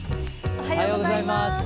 おはようございます。